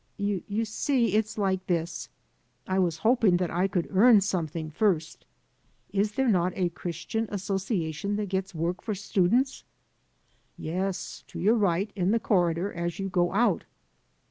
"You see, it is like this. I was hoping that I could eaxn something first. Is there not a Christian Associa tion that gets work for students? " "Yes. To your right, in the corridor, as you go out."